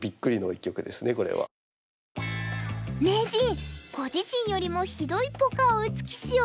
名人ご自身よりもひどいポカを打つ棋士を教えて下さい。